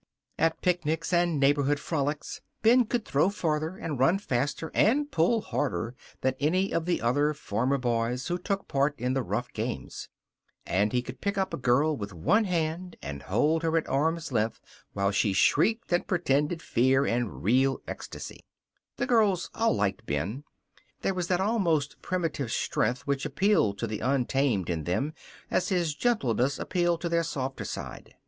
At picnics and neighborhood frolics Ben could throw farther and run faster and pull harder than any of the other farmer boys who took part in the rough games. And he could pick up a girl with one hand and hold her at arm's length while she shrieked with pretended fear and real ecstasy. The girls all liked Ben. There was that almost primitive strength which appealed to the untamed in them as his gentleness appealed to their softer side.